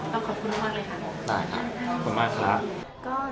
ต้องขอบคุณมากเลยค่ะ